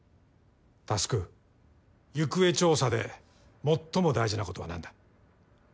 匡行方調査で最も大事なことは何だ？